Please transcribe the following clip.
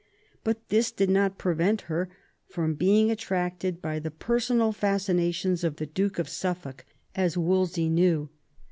But this did not prevent her from being attracted by the personal fascinations of the Duke of Suffolk, as Wolsey knew.